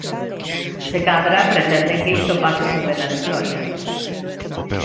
Se cadra pretenden que isto pase sen pena nin gloria.